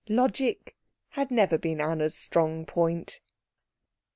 Logic had never been Anna's strong point.